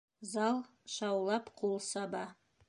Зал шаулап ҡул саба.